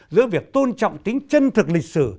giữa việc tôn trọng tính chân thực lịch sử